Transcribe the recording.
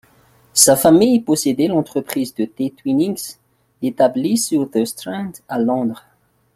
Sa famille possédait l'entreprise de thé Twinings établie sur The Strand à Londres.